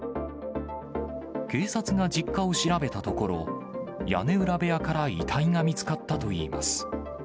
警察が実家を調べたところ、屋根裏部屋から遺体が見つかったといいます。